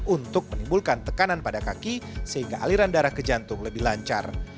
untuk menimbulkan tekanan pada kaki sehingga aliran darah ke jantung lebih lancar